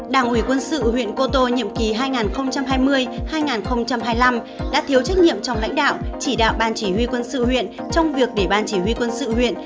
đảng ủy quân sự huyện cô tô nhiệm kỳ hai nghìn hai mươi hai nghìn hai mươi năm đã thiếu trách nhiệm trong lãnh đạo chỉ đạo ban chỉ huy quân sự huyện trong việc để ban chỉ huy quân sự huyện